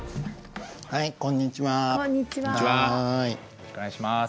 よろしくお願いします。